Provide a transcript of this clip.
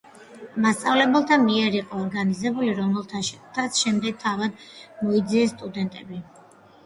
მასწავლებელთა მიერ იყო ორგანიზებული, რომელთაც შემდეგ თავად მოიძიეს სტუდენტები.